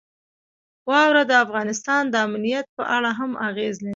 واوره د افغانستان د امنیت په اړه هم اغېز لري.